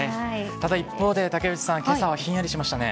ただ一方で、竹内さん、けさはひんやりしましたね。